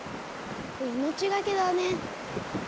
命懸けだね。